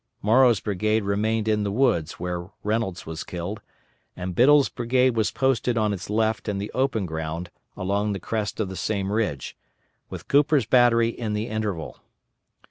Morrow's brigade remained in the woods where Reynolds was killed, and Biddle's brigade was posted on its left in the open ground along the crest of the same ridge, with Cooper's battery in the interval.